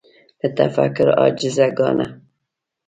له تفکر عاجز ګاڼه